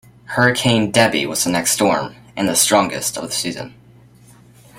Hurricane Debby was the next storm and the strongest of the season.